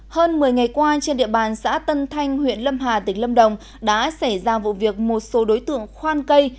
hơn một mươi ngày qua trên địa bàn xã tân thanh huyện lâm hà tỉnh lâm đồng đã xảy ra vụ việc một số đối tượng khoan cây